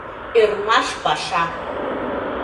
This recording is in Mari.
— Ӧрмаш паша!